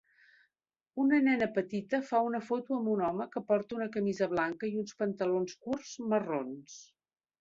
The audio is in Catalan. Una nena petita fa una foto amb un home que porta una camisa blanca i uns pantalons curts marrons.